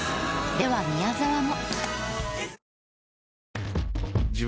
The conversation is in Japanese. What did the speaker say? では宮沢も。